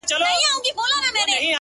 • ستا د خــولې خـبري يــې زده كړيدي ـ